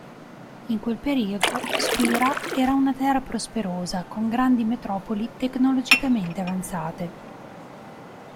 In quel periodo Spira era una terra prosperosa con grandi metropoli tecnologicamente avanzate.